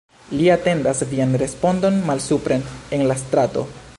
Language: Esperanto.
Li atendas vian respondon malsupren en la strato.